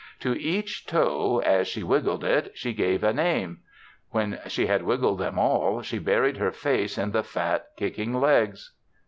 To each toe as she wiggled it, she gave a name; when she had wiggled them all she buried her face in the fat, kicking legs.